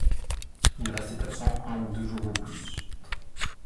Il restait absent un ou deux jours au plus.